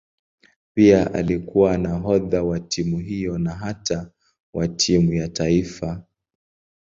Pia alikuwa nahodha wa timu hiyo na hata wa timu ya taifa.